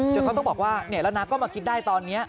จนเขาต้องบอกว่าแล้วน้าก็มาคิดได้ตอนนี้